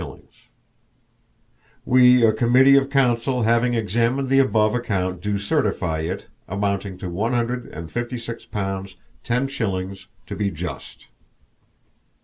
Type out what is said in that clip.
100:16:0 55:14:0 WE a Committee of Council having examined the above account do certify it (amounting to one hundred and fifty six Pounds ten Shillings) to be just.